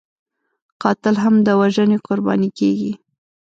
قاتل هم د وژنې قرباني کېږي